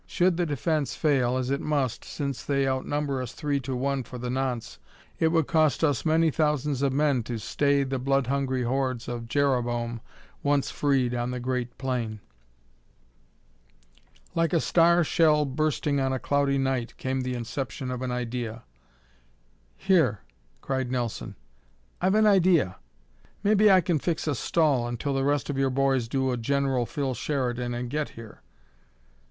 Should the defense fail, as it must since they outnumber us three to one for the nonce it would cost us many thousands of men to stay the blood hungry hordes of Jereboam once freed on the great plain." Like a star shell bursting on a cloudy night came the inception of an idea. "Here," cried Nelson, "I've an idea! Maybe I can fix a stall until the rest of your boys do a General Phil Sheridan and get here."